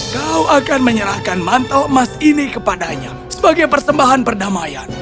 kau akan menyerahkan mantel emas ini kepadanya sebagai persembahan perdamaian